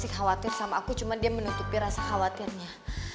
saya khawatir sama aku cuma dia menutupi rasa khawatirnya